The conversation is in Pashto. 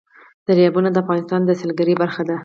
دریابونه د افغانستان د سیلګرۍ برخه ده.